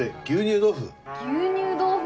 牛乳豆腐？